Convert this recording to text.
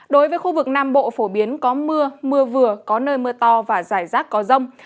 đối với khu vực nam bộ phổ biến có mưa mưa vừa có nơi mưa to và rải rác có rông